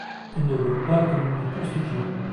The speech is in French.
Elles ne veulent pas que nous les poursuivions.